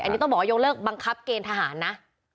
อันนี้ต้องบอกว่ายกเลิกบังคับเกณฑหารนะ